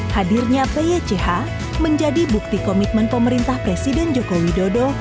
hadirnya pych menjadi bukti komitmen pemerintah presiden joko widodo